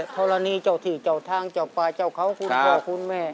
ธรณีเจ้าที่เจ้าทางเจ้าป่าเจ้าเขาคุณพ่อคุณแม่